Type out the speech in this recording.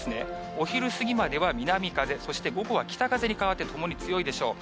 お昼過ぎまでは南風、そして午後は北風に変わって、ともに強いでしょう。